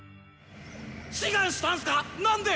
志願したんスか⁉何で？